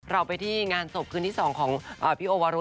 เราไปที่งานศพคืนที่๒ของพี่โอวารุ